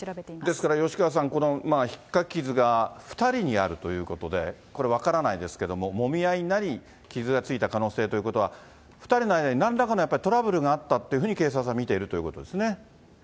ですから、吉川さん、このひっかき傷が２人にあるということで、これ、分からないですけども、もみ合いになり、傷がついた可能性ということは、２人の間になんらかのやっぱりトラブルがあったっていうふうに、警察は見ているということですね。